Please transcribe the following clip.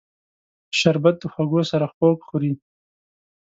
شربت د خوږو سره خوږ خوري